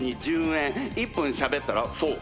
１分しゃべったらそう１００円。